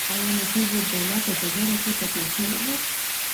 ایا نجیب الدوله په جګړه کې ټپي شوی و؟